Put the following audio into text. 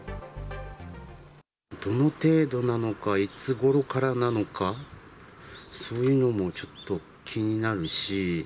どの程度なのか、いつごろからなのか、そういうのもちょっと気になるし。